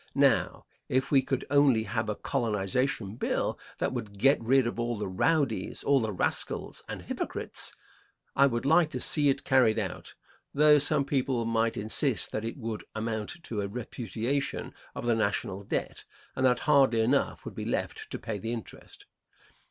Now, if we could only have a colonization bill that would get rid of all the rowdies, all the rascals and hypocrites, I would like to see it carried out, thought some people might insist that it would amount to a repudiation of the national debt and that hardly enough would be left to pay the interest.